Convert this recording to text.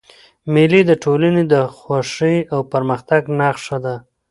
مېلې د ټولني د خوښۍ او پرمختګ نخښه ده.